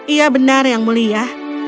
iya benar yang mulia